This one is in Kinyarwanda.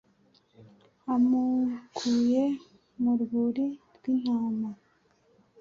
amukuye mu rwuri rw’intama